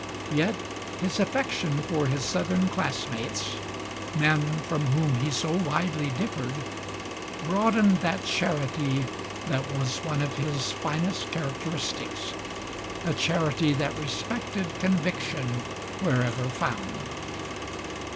Yet his affection for his Southern classmates, men from whom he so widely differed, broadened that charity that was one of his finest characteristics, a charity that respected conviction wherever found.